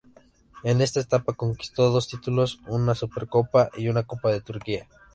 En esta etapa conquistó dos títulos: una Supercopa y una Copa de Turquía.